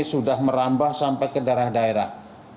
sudah merambah sampai ke daerah daerah